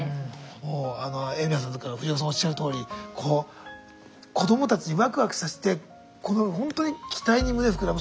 もうあの海老名さんとか藤岡さんがおっしゃるとおりこう子どもたちにワクワクさせてこのほんとに期待に胸膨らむ。